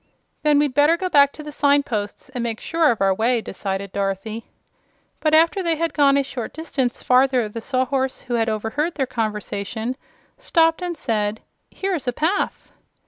"Then we'd better go back to the signposts, and make sure of our way," decided Dorothy. But after they had gone a short distance farther the Sawhorse, who had overheard their conversation, stopped and said: "Here is a path."